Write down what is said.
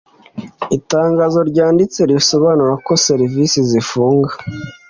itangazo ryanditse risobanura ko serivisi zifunga.